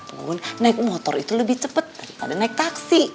mana pun naik motor itu lebih cepet daripada naik taksi